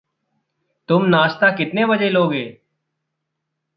तुम नाश्ता कितने बजे लोगे?